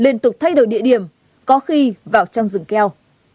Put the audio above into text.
liên tục thay đổi địa điểm có khi vào trong rừng keo